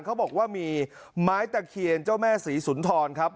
เขาบอกว่ามีไม้ตะเคียนเจ้าแม่ศรีสุนทรครับ